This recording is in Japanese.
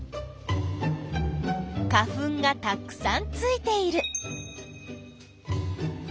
花粉がたくさんついている。